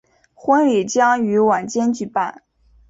婚礼将于晚间举办。